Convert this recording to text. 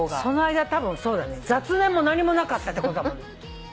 その間たぶん雑念も何もなかったってことだもんね。